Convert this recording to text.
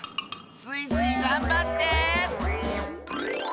スイスイがんばって！